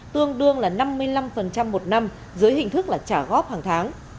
tương đương là năm mươi năm một năm dưới hình thức là trả góp hàng tháng